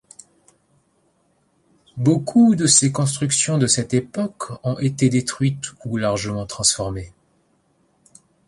Beaucoup de ses constructions de cette époque ont été détruites ou largement transformées.